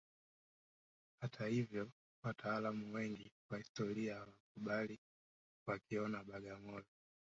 Hata hivyo wataalamu wengi wa historia hawakubali wakiiona Bagamoyo